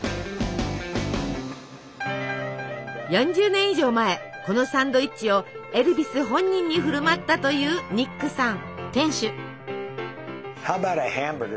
４０年以上前このサンドイッチをエルヴィス本人に振る舞ったというニックさん。